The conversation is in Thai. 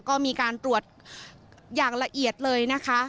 ก็มีการตรวจอย่างละเอียดเลยนะคะ